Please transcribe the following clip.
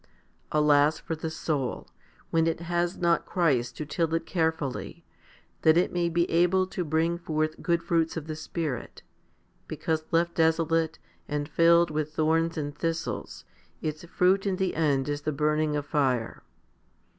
Alas for the soul, when it has not Christ to till it carefully, that it may be able to bring forth good fruits of the Spirit ; because left desolate, and filled with thorns and thistles, its fruit in the end is the burning of fire.